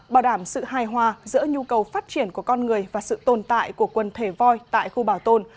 bảo đảm sự hài hòa giữa nhu cầu phát triển của con người và sự tồn tại của quần thể voi tại khu bảo tồn